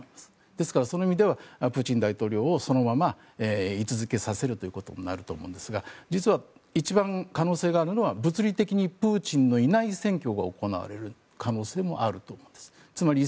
ですから、その意味ではプーチン大統領をそのまま居続けさせるということになると思うんですが一番可能性があるのは物理的にプーチンがいない選挙が行われる可能性もあると思うんです。